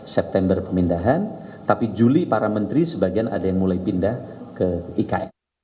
september pemindahan tapi juli para menteri sebagian ada yang mulai pindah ke ikn